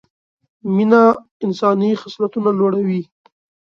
مینه انساني خصلتونه لوړه وي